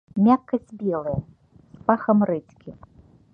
Мякаць белая, з пахам рэдзькі.